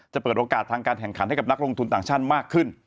เปิดโอกาสทางการแข่งขันให้กับนักลงทุนต่างชาติมากขึ้น